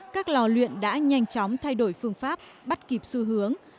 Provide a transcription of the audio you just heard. các lò luyện đã nhanh chóng thay đổi phương pháp bắt kịp xu hướng